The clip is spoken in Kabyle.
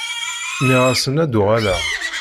Nniɣ-asen ad d-uɣaleɣ